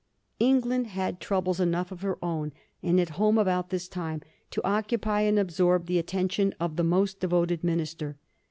England had troubles enough of her own and at home about this time to occupy and absorb the attention of the most devoted minister.